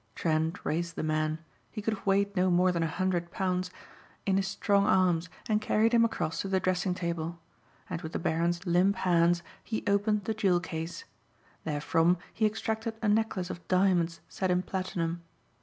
Trent raised the man he could have weighed no more than a hundred pounds in his strong arms and carried him across to the dressing table. And with the Baron's limp hands he opened the jewel case. Therefrom he extracted a necklace of diamonds set in platinum.